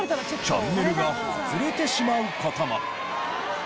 チャンネルが外れてしまう事も。